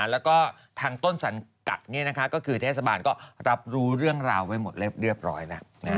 แล้วก็ทางต้นสังกัดก็คือเทศบาลก็รับรู้เรื่องราวไว้หมดเรียบร้อยแล้ว